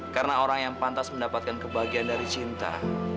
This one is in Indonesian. karena orang yang pantas mendapatkan kebahagiaan dari cinta